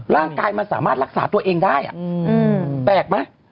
ร่างกายมันสามารถรักษาตัวเองได้แปลกไหม